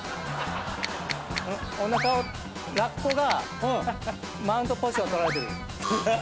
おなかをラッコがマウントポジション取られてる。